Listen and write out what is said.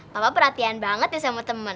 papa perhatian banget ya sama temen